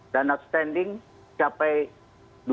dan outstanding mencapai rp dua ratus dua puluh satu triliun